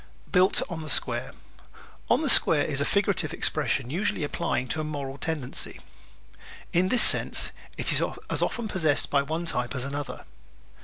Built on the Square ¶ "On the Square" is a figurative expression usually applying to a moral tendency. In this sense it is as often possessed by one type as another.